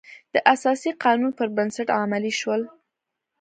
د اساسي قانون پر بنسټ عملي شول.